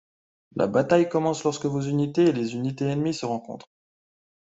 La bataille commence lorsque vos unités et les unités ennemies se rencontrent.